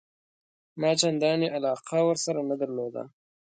ما چنداني علاقه ورسره نه درلوده.